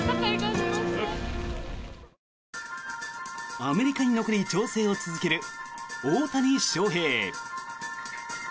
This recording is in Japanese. アメリカに残り調整を続ける大谷翔平。